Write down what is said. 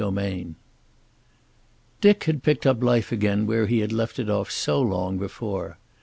XXVIII Dick had picked up life again where he had left it off so long before.